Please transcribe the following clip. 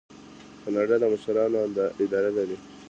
کاناډا د مشرانو اداره لري.